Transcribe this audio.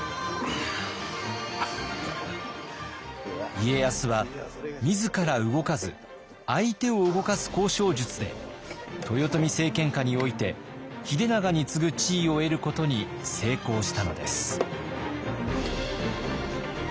家康は自ら動かず相手を動かす交渉術で豊臣政権下において秀長に次ぐ地位を得ることに成功したのです。